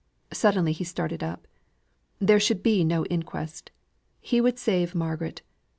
Suddenly he started up. There should be no inquest. He would save Margaret.